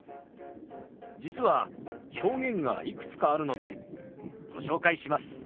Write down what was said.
実は表現がいくつかあるのでご紹介します。